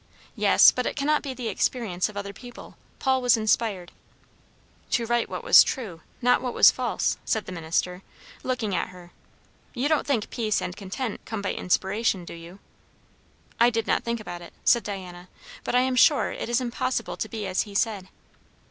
"Yes, but it cannot be the experience of other people. Paul was inspired." "To write what was true, not what was false," said the minister, looking at her. "You don't think peace and content come by inspiration, do you?" "I did not think about it," said Diana. "But I am sure it is impossible to be as he said."